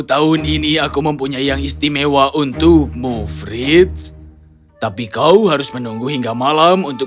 tahun ini aku mempunyai yang istimewa untukmu fritz tapi kau harus menunggu hingga malam untuk